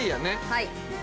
はい。